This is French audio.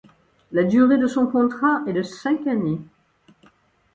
La durée de son contrat est de cinq années.